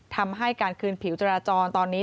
ทำให้การคืนผิวจราจรตอนนี้